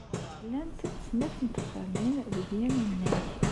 Llant snat n texxamin deg yal annag.